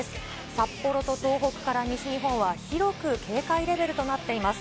札幌と東北から西日本は広く警戒レベルとなっています。